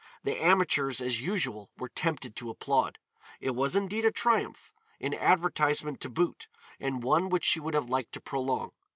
The amateurs as usual were tempted to applaud. It was indeed a triumph, an advertisement to boot, and one which she would have liked to prolong.